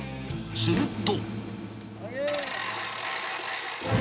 すると。